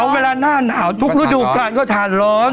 เย็นก็ทานร้อน